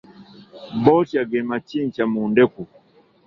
Botya ge makikya mu ndeku.